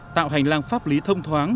tạo hành lang pháp lý thông thoáng